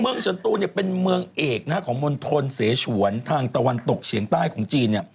ฉันตูนเป็นเมืองเอกของมณฑลเสฉวนทางตะวันตกเฉียงใต้ของจีน